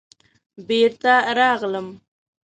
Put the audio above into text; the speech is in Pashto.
بېرته راغلم.